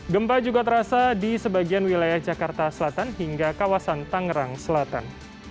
gempa juga terasa di sebagian wilayah jakarta selatan hingga kawasan tangerang selatan